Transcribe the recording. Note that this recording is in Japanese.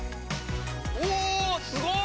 うおすごい！